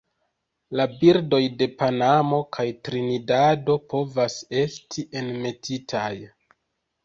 La birdoj de Panamo kaj Trinidado povas esti enmetitaj.